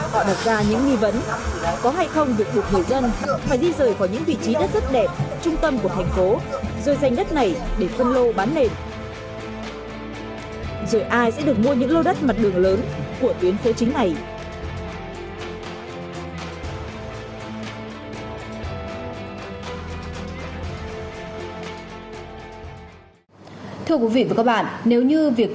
họ đặt ra những nghi vấn có hay không được được người dân phải di rời vào những vị trí đất rất đẹp trung tâm của thành phố rồi dành đất này để phân lô bán nền